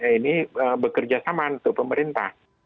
ini bekerja sama untuk pemerintah